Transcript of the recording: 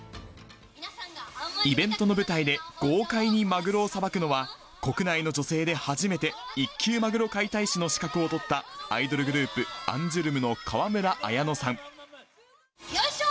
イベントの舞台で豪快にマグロをさばくのは、国内の女性で初めて、１級マグロ解体師の資格を取ったアイドルグループ、アンジュルムよいしょ！